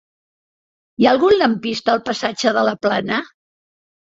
Hi ha algun lampista al passatge de la Plana?